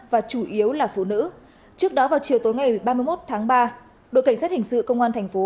và chủ yếu là phụ nữ trước đó vào chiều tối ngày ba mươi một tháng ba đội cảnh sát hình sự công an thành phố